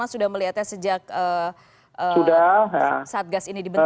sudah melihatnya sejak satgas ini dibentuk